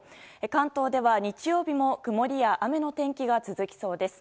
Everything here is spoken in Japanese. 関東では日曜日も曇りや雨の天気が続きそうです。